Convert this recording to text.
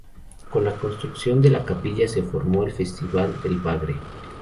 Con la construcción de la capilla, se formó el Festival del Bagre.